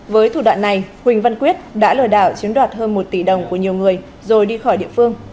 với thủ đoạn này huỳnh văn quyết đã lừa đảo chiếm đoạt hơn một tỷ đồng của nhiều người rồi đi khỏi địa phương